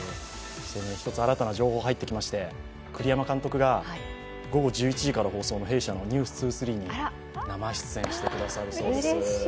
１つ新たな情報が入ってきまして栗山監督が午後１１時から放送の弊社の「ｎｅｗｓ２３」に生出演してくれるそうです。